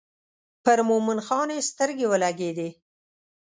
پر مومن خان یې سترګې ولګېدې.